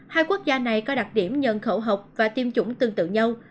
hai quốc gia này có đặc điểm nhận khẩu học và tiêm chủng tương tự nhau